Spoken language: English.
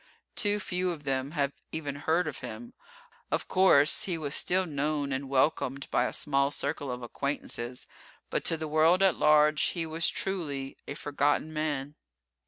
Too few of them have even heard of him. Of course, he was still known and welcomed by a small circle of acquaintances, but to the world at large he was truly a "forgotten man."